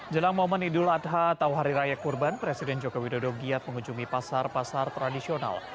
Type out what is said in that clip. jelang momen idul adha atau hari raya kurban presiden joko widodo giat mengunjungi pasar pasar tradisional